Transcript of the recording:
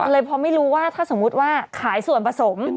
เลยพอไม่รู้ว่าถ้าสมมุติว่าขายส่วนผสม